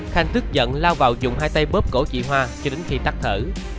khanh tức giận lao vào dùng hai tay bớt cổ chị hoa cho đến khi tắt thở